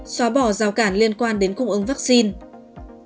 xóa bỏ rào cản liên quan đến cung ứng vaccine